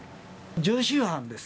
常習犯です。